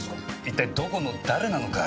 一体どこの誰なのか。